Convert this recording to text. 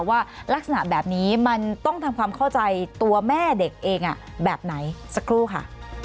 ว่าลักษณะแบบนี้มันต้องทำความเข้าใจตัวแม่เด็กเองแบบไหนสักครู่ค่ะ